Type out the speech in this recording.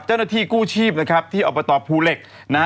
เจ้าหน้าที่กู้ชีพนะครับที่อบตภูเหล็กนะฮะ